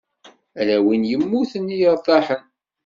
Ala win immuten i yeṛtaḥen.